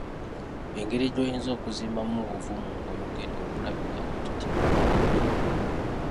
Engeri gy’oyinza okuzimbamu obuvumu ng’oyogera okulabika nga totya bantu.